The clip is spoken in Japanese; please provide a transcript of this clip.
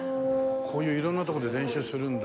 こういう色んな所で練習するんだ。